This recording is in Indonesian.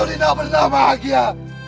ini tak pernah bahagia